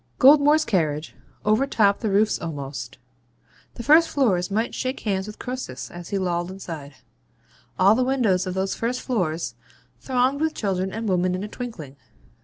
Goldmore's carriage overtopped the roofs almost; the first floors might shake hands with Croesus as he lolled inside; all the windows of those first floors thronged with children and women in a twinkling.